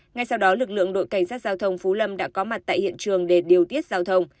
ngay sau đó lực lượng đội cảnh sát giao thông phú lâm đã có mặt tại hiện trường để điều tiết giao thông